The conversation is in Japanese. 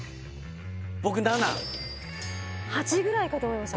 僕７８ぐらいかと思いました